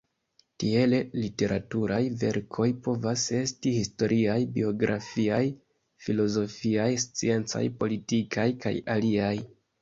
Tiele literaturaj verkoj povas esti historiaj, biografiaj, filozofiaj, sciencaj, politikaj, kaj aliaj.